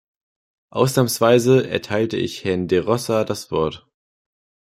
Ausnahmsweise erteilte ich Herrn De Rossa das Wort.